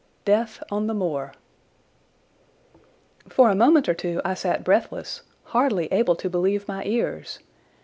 Death on the Moor For a moment or two I sat breathless, hardly able to believe my ears.